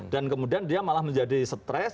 dan kemudian dia malah menjadi stres